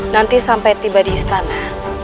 nanti sampai tiba di istana